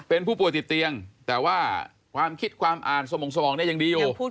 เป็นผู้ป่วยติดเตียงแต่ว่าความคิดความอ่านสมองสมองเนี่ยยังดีอยู่